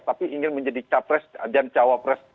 tapi ingin menjadi capres dan cawa pres